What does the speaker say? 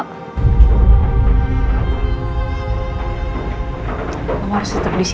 kamu harus tetep disini ya